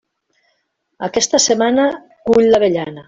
Aquesta setmana, cull l'avellana.